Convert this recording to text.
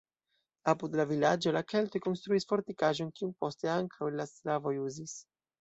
Apud la vilaĝo la keltoj konstruis fortikaĵon, kiun poste ankaŭ la slavoj uzis.